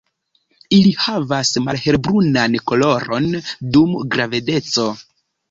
Ili havas malhelbrunan koloron dum gravedeco.